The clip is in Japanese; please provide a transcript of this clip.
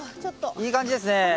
いい感じですね。